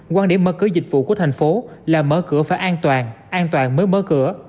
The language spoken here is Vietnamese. quan điểm mở cửa dịch vụ của thành phố là mở cửa phải an toàn an toàn mới mở cửa